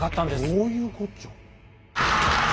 どういうこっちゃ。